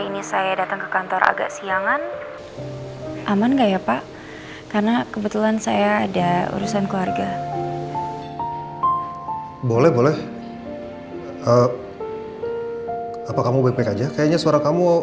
baik kok pak saya baik baik aja